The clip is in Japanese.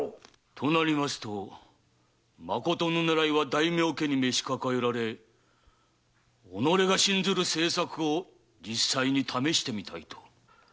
となりますとまことの狙いは大名家に召し抱えられ己が信ずる政策を実際に試してみたいと。